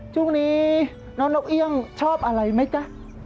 ช่วงนี้น้องนกเอี่ยงชอบอะไรไหมจ๊ะ